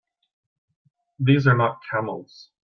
These are not camels!